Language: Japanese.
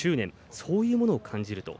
そういったものを感じると。